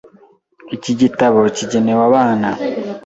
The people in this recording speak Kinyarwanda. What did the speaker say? Iki gitabo kigenewe abana.